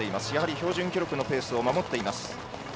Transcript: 標準記録のペースを守っています。